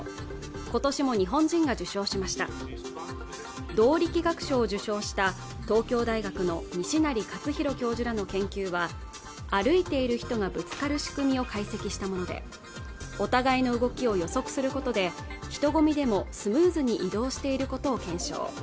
今年も日本人が受賞しました動力学賞を受賞した東京大学の西成活裕教授らの研究は歩いている人がぶつかる仕組みを解析したものでお互いの動きを予測することで人混みでもスムーズに移動していることを検証